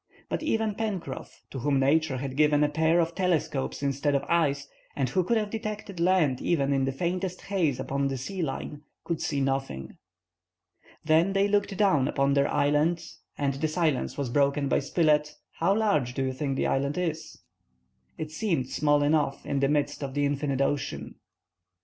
But even Pencroff, to whom Nature had given a pair of telescopes instead of eyes, and who could have detected land even in the faintest haze upon the sea line, could see nothing. Then they looked down upon their island, and the silence was broken by Spilett:— "How large do you think this island is?" It seemed small enough in the midst of the infinite ocean.